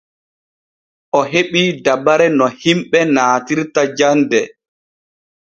O heɓii dabare no himɓe naatirta jande.